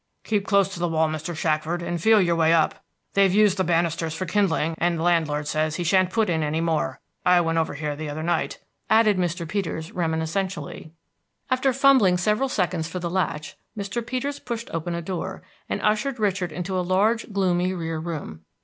"Keep close to the wall, Mr. Shackford, and feel your way up. They've used the banisters for kindling, and the landlord says he shan't put in any more. I went over here the other night," added Mr. Peters reminiscentially. After fumbling several seconds for the latch, Mr. Peters pushed open a door, and ushered Richard into a large, gloomy rear room.